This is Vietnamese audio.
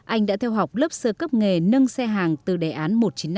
anh đã theo học lớp sơ cấp nghề nâng xe hàng từ đề án một nghìn chín trăm năm mươi